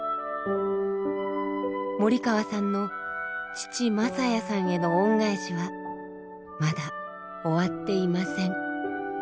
森川さんの父・昌哉さんへの恩返しはまだ終わっていません。